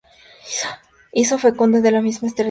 Hizo fecunda á la misma esterilidad.